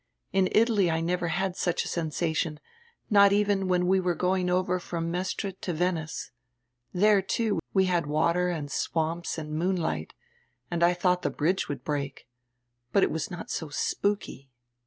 In Italy I never had such a sensation, not even when we were going over from Mestre to Venice. There, too, we had water and swamps and moonlight, and I thought die bridge would break. But it was not so spooky.